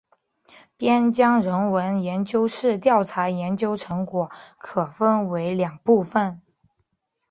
边疆人文研究室调查研究成果可分为两部分。